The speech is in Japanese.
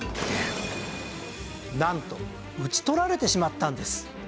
なんと討ち取られてしまったんです。